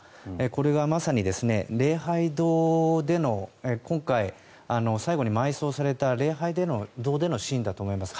これがまさに礼拝堂での今回、最後に埋葬された礼拝堂でのシーンだと思います。